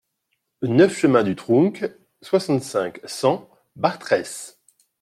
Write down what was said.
neuf chemin du Trounc, soixante-cinq, cent, Bartrès